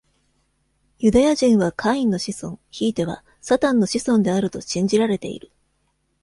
ユダヤ人はカインの子孫、ひいてはサタンの子孫であると信じられている。